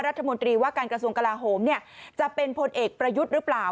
รัฐมนตรีว่าการกระทรวงกลาโหมจะเป็นพลเอกประยุทธ์หรือเปล่า